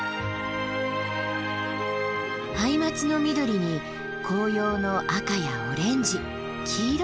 ハイマツの緑に紅葉の赤やオレンジ黄色。